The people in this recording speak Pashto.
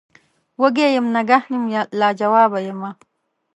وږم یم نګهت یم لا جواب یمه